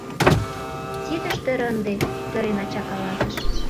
— Ситыш дыр ынде? — сырен, ача каласыш.